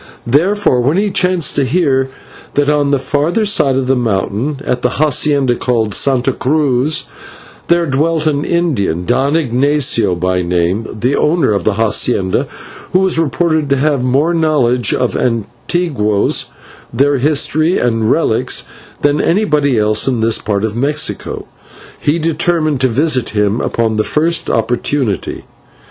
Therefore, when he chanced to hear that, on the farther side of the mountain, at a /hacienda/ called Santa Cruz, there dwelt an Indian, Don Ignatio by name, the owner of the /hacienda/, who was reported to have more knowledge of the /antiguos/, their history and relics, than anybody else in this part of Mexico, he determined to visit him upon the first opportunity.